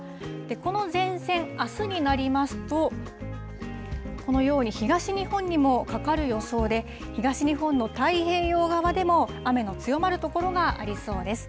この前線、あすになりますと、このように東日本にもかかる予想で、東日本の太平洋側でも雨の強まる所がありそうです。